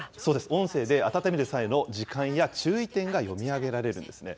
音声で、温める際の時間や注意点が読み上げられるんですね。